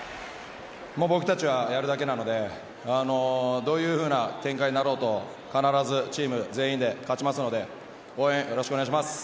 僕たちはやるだけなのでどういう展開になろうと必ずチーム全員で勝ちますので応援、よろしくお願いします。